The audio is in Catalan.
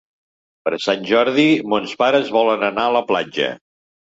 Per Sant Jordi mons pares volen anar a la platja.